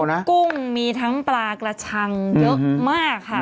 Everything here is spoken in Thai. กุ้งมีทั้งปลากระชังเยอะมากค่ะ